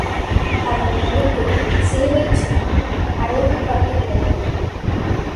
அவன் கழுத்தில் சிலுவைச் சின்னம் அழகு காட்டிக் கிடந்தது.